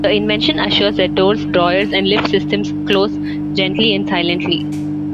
The invention assures that doors, drawers and lift systems close gently and silently.